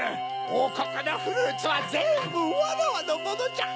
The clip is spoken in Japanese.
おうこくのフルーツはぜんぶわらわのものじゃ！